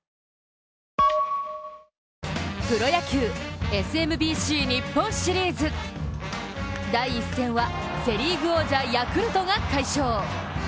プロ野球ＳＭＢＣ日本シリーズ第１戦は、セ・リーグ王者、ヤクルトが快勝。